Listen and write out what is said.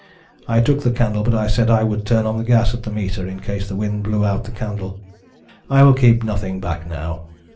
I took the candle, but I said I would turn on the gas at the meter, in case the wind blew out the candle. I will keep nothing back now.